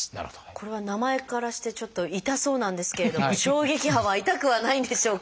これは名前からしてちょっと痛そうなんですけれども衝撃波は痛くはないんでしょうか？